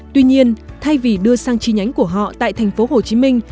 tuy nhiên thay vì đưa sang chi nhánh của họ tại thành phố hồ chí minh